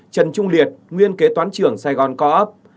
trần trung liệt nguyên kế toán trưởng sài gòn co op